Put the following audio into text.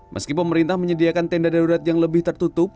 meski pemerintah menyediakan tenda darurat yang lebih tertutup